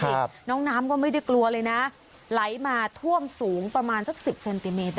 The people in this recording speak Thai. ครับน้องน้ำก็ไม่ได้กลัวเลยนะไหลมาท่วมสูงประมาณสักสิบเซนติเมตรได้